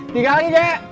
tinggal lagi deh